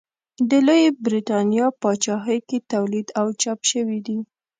د لویې برېتانیا پاچاهۍ کې تولید او چاپ شوي دي.